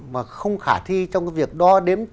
mà không khả thi trong cái việc đo đếm